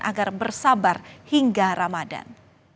agar bersabar hingga ramadan